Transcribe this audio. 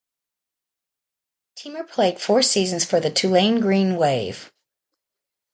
Teamer played four seasons for the Tulane Green Wave.